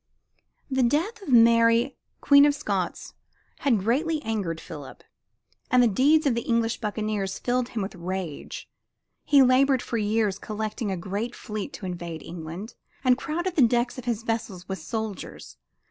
The death of Mary Queen of Scots had greatly angered Philip, and the deeds of the English buccaneers filled him with rage. He labored for years collecting a great fleet to invade England, and crowded the decks of his vessels with soldiers.